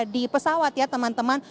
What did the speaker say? di pesawat ya teman teman